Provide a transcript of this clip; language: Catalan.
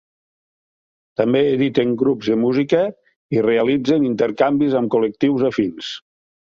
També editen grups de música i realitzen intercanvis amb col·lectius afins.